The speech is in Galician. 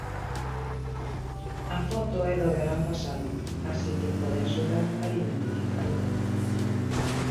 A foto é do verán pasado, así que pode axudar a identificalo.